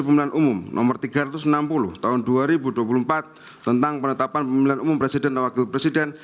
pemilihan umum no tiga ratus enam puluh tahun dua ribu dua puluh empat tentang penetapan pemilihan umum presiden dan wakil presiden